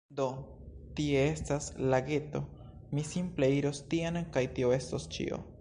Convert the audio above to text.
Do, tie estas lageto; mi simple iros tien kaj tio estos ĉio